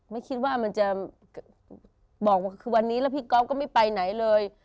ไม่คิดว่ามันจะบอกว่าคือวันนี้แล้วพี่ก๊อฟก็ไม่ไปไหนเลย